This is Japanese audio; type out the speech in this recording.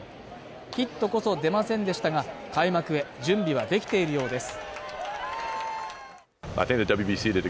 ヒットこそ出ませんでしたが、開幕へ準備はできているようです。